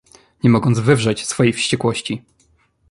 "nie mogąc wywrzeć swojej wściekłości!"